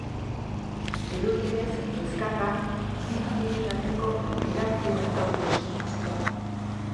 Dirudienez, liskarra bi familien arteko tirabiren ondorioz hasi da.